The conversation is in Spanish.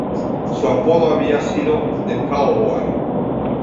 Su apodo había sido "The Cowboy".